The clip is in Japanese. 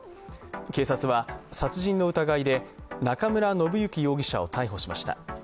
警察は殺人の疑いで中村信之容疑者を逮捕しました。